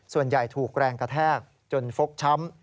ส่วนใหญ่ถูกแรงกระแทกจนฟกช้ำ